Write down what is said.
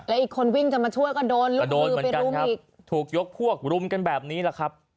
อีกคนวิ่งจะมาช่วยก็โดนลูกมือไปรุมอีกถูกยกพวกรุมกันแบบนี้แหละครับ